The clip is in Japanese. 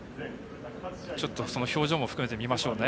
表情も含めて見ましょう。